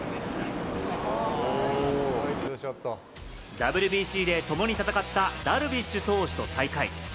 ＷＢＣで共に戦ったダルビッシュ投手と再会。